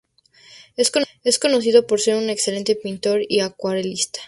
Es conocido por ser un excelente pintor y acuarelista.